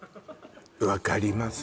分かります